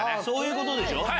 そういうことでしょ。